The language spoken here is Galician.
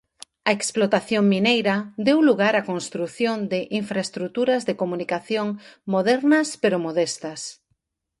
A explotación mineira deu lugar á construción de infraestruturas de comunicación modernas pero modestas.